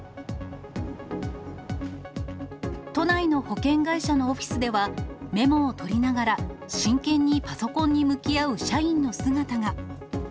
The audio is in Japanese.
都内の保険会社のオフィスでは、メモを取りながら、真剣にパソコンに向き合う社員の姿が。